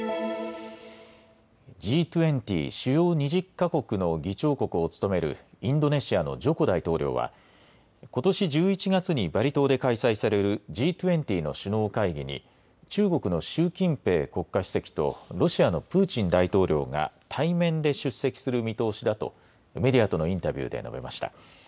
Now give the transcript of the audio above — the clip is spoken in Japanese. Ｇ２０・主要２０か国の議長国を務めるインドネシアのジョコ大統領は、ことし１１月にバリ島で開催されるＧ２０の首脳会議に、中国の習近平国家主席とロシアのプーチン大統領が対面で出席する見通しだと、メディアとのインタビューで述べました。